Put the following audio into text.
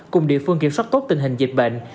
cùng địa phương kiểm soát tốt tình hình dịch bệnh